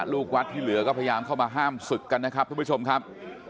ลูกวัดที่เหลือก็พยายามเข้ามาห้ามศึกกันนะครับทุกผู้ชมครับ